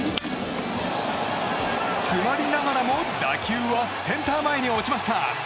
詰まりながらも打球はセンター前に落ちました。